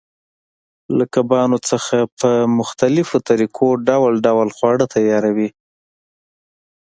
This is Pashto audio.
له کبانو څخه په مختلفو طریقو ډول ډول خواړه تیاروي.